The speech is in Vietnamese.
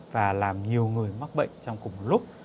và làm nhiều người mắc bệnh trong cùng lúc